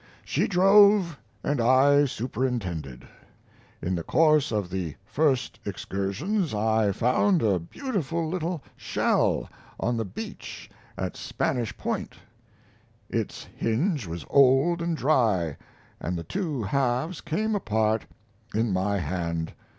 She drove and I superintended. In the course of the first excursions I found a beautiful little shell on the beach at Spanish Point; its hinge was old and dry, and the two halves came apart in my hand.